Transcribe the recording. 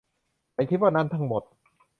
ฉันคิดว่านั้นทั้งหมด